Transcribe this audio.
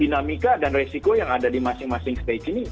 dinamika dan resiko yang ada di masing masing stage ini